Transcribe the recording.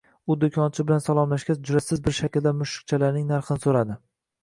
U doʻkonchi bilan salomlashgach, jurʼatsiz bir shaklda mushukchalarning narxini soʻradi